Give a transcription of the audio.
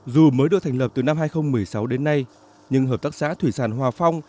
dù mới được thành lập từ năm hai nghìn một mươi sáu đến nay nhưng hợp tác xã thủy sản hòa phong